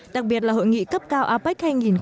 đặc biệt là hội nghị cấp cao apec hai nghìn một mươi bảy